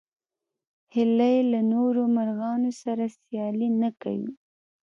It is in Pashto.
هیلۍ له نورو مرغانو سره سیالي نه کوي